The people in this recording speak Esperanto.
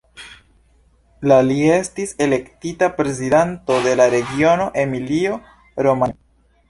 La li estis elektita prezidanto de la regiono Emilio-Romanjo.